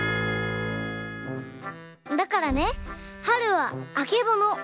だからね「春はあけぼの」。